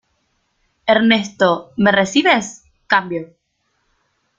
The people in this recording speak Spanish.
Ernesto, ¿ me recibes? cambio.